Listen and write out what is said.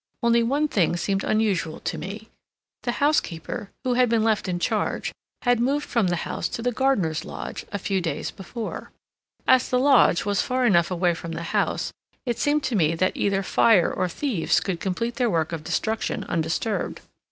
Only one thing seemed unusual to me: the housekeeper, who had been left in charge, had moved from the house to the gardener's lodge, a few days before. As the lodge was far enough away from the house, it seemed to me that either fire or thieves could complete their work of destruction undisturbed.